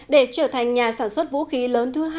để trở thành nhà sản xuất vũ khí lớn thứ hai